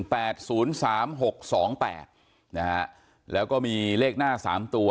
แปดศูนย์สามหกสองแปดนะฮะแล้วก็มีเลขหน้าสามตัว